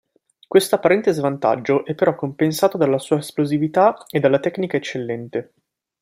Questo apparente svantaggio è però compensato dalla sua esplosività e dalla tecnica eccellente.